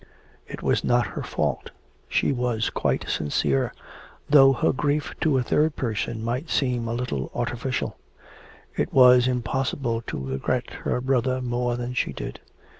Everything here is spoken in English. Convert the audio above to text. It was not her fault; she was quite sincere, though her grief to a third person might seem a little artificial. It was impossible to regret her brother more than she did.